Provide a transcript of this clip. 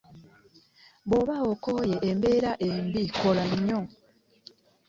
Bw'oba okooye embeera embi kola nnyo.